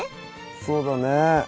そうだね。